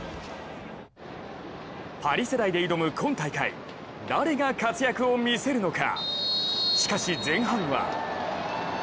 パリ世代で挑む今大会、誰が活躍を見せるのか。